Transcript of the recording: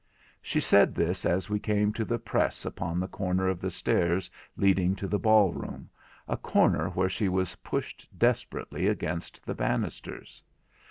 She said this as we came to the press upon the corner of the stairs leading to the ball room, a corner where she was pushed desperately against the banisters.